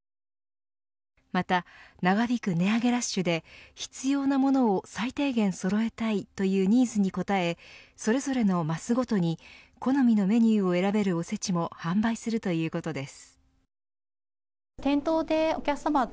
また長引く値上げラッシュで必要なものを最低限そろえたいというニーズに応えそれぞれのマスごとに好みのメニューを選べるおせちも販売するということです。